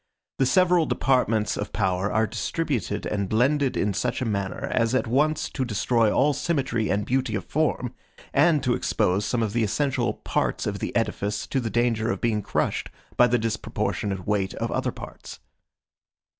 The several departments of power are distributed and blended in such a manner as at once to destroy all symmetry and beauty of form, and to expose some of the essential parts of the edifice to the danger of being crushed by the disproportionate weight of other parts.